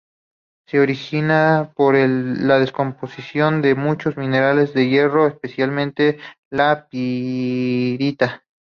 Se origina por la descomposición de muchos minerales de hierro, especialmente la pirita.